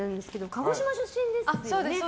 鹿児島出身ですよね。